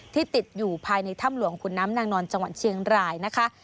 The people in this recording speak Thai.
ติดอยู่ภายในถ้ำหลวงขุนน้ำนางนอนจังหวัดเชียงรายนะคะ